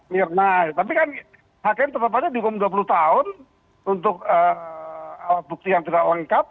mirna tapi kan hakim tetap saja dihukum dua puluh tahun untuk bukti yang tidak lengkap